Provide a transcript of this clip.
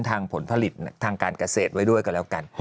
ผลผลิตทางการเกษตรไว้ด้วยกันแล้วกัน